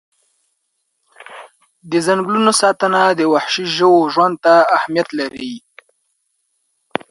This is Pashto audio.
د ځنګلونو ساتنه د وحشي ژوو ژوند ته اهمیت لري.